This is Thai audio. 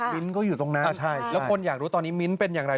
ก็อยู่ตรงนั้นแล้วคนอยากรู้ตอนนี้มิ้นท์เป็นอย่างไร